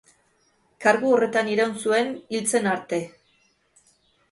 Kargu horretan iraun zuen hil zen arte.